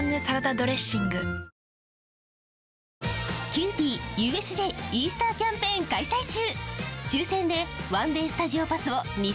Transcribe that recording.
キユーピーＵＳＪイースターキャンペーン開催中！